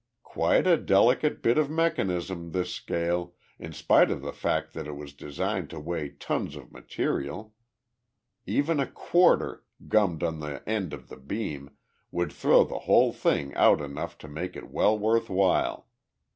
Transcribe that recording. "Quite a delicate bit of mechanism, this scale in spite of the fact that it was designed to weigh tons of material. Even a quarter, gummed on to the end of the beam, would throw the whole thing out enough to make it well worth while.